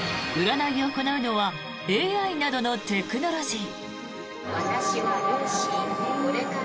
占いを行うのはＡＩなどのテクノロジー。